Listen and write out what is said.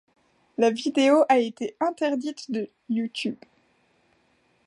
La vidéo a été interdite de YouTube.